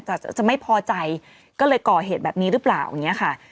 แต่จะไม่พอใจก็เลยก่อเหตุแบบนี้หรือเปล่าอย่างนี้ค่ะ